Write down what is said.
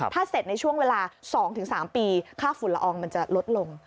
ถ้าเสร็จในช่วงเวลา๒๓ปีค่าฝุ่นละอองมันจะลดลง